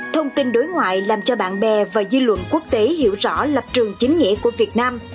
thông tin đối ngoại làm cho bạn bè và dư luận quốc tế hiểu rõ lập trường chính nghĩa của việt nam